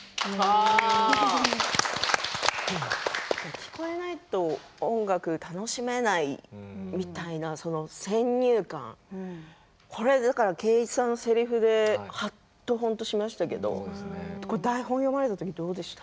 聞こえないと音楽、楽しめないみたいな先入観これ、だから圭一さんのせりふではっとしましたけど台本を読まれた時どうでした？